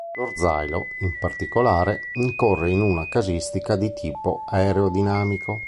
L’orzailo, in particolare, incorre in una casistica di tipo aerodinamico.